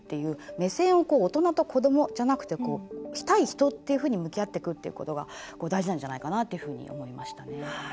目線を大人と子どもじゃなくて対人っていうふうに向き合っていくことが大事なんじゃないかと思いました。